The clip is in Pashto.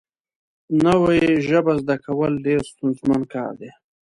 نوې ژبه زده کول ډېر ستونزمن کار دی